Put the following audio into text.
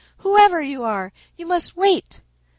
Whoever you are, you must wait."